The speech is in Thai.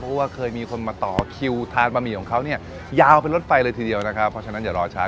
เพราะว่าเคยมีคนมาต่อคิวทานบะหมี่ของเขาเนี่ยยาวเป็นรถไฟเลยทีเดียวนะครับ